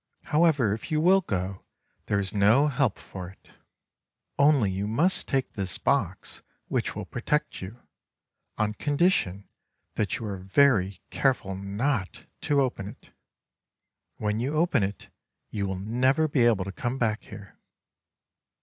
However if you will go, there is no help for it; 286 THE JAPANESE STORY TELLER only you must take this box, which will protect you, on condition that you are very careful not to open it. When you open it you will never be able to come back here."